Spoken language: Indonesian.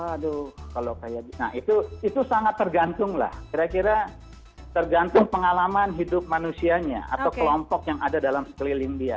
aduh kalau kayak nah itu sangat tergantung lah kira kira tergantung pengalaman hidup manusianya atau kelompok yang ada dalam sekeliling dia